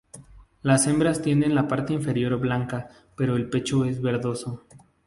Las hembras tienen la parte inferior blanca pero el pecho es verdoso.